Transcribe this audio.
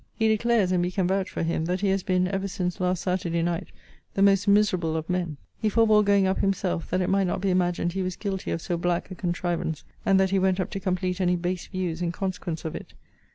He declares, and we can vouch for him, that he has been, ever since last Saturday night, the most miserable of men. He forbore going up himself, that it might not be imagined he was guilty of so black a contrivance; and that he went up to complete any base views in consequence of it.